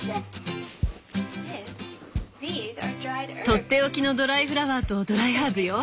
取って置きのドライフラワーとドライハーブよ。